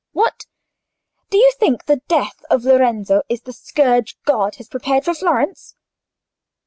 What! do you think the death of Lorenzo is the scourge God has prepared for Florence?